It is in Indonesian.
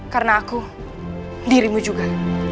karena aku dirimu juga